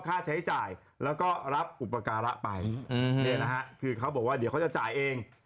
ค่าใช้จ่ายแล้วก็รับอุปการะไปเค้าบอกว่าเดี๋ยวเค้าจะจ่ายเอง